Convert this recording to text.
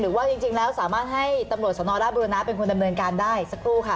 หรือว่าจริงแล้วสามารถให้ตำรวจสนธบูรณาเป็นคุณดำเนื้อการได้ซักรูค่ะ